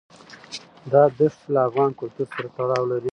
دا دښتې له افغان کلتور سره تړاو لري.